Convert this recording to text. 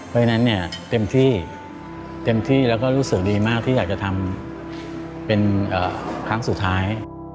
เพราะฉะนั้นเนี่ยเต็มที่เต็มที่แล้วก็รู้สึกดีมากที่อยากจะทำเป็นครั้งสุดท้าย